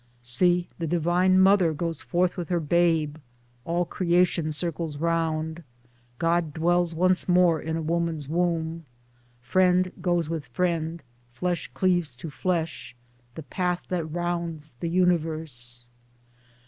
See! the divine mother goes forth with her babe (all creation circles round) — God dwells once more in a woman's womb; friend goes with friend, flesh cleaves to flesh, the path that rounds the universe.